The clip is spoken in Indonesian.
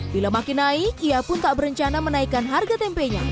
bila makin naik ia pun tak berencana menaikkan harga tempenya